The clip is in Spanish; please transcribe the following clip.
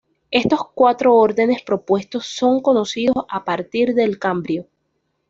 Estos cuatro órdenes propuestos son conocidos a partir del Cámbrico.